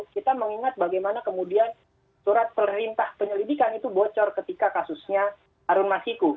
kita mengingat bagaimana kemudian surat perintah penyelidikan itu bocor ketika kasusnya arun mas hiku